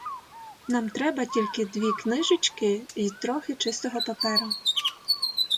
Нам треба тільки дві книжечки й трохи чистого паперу.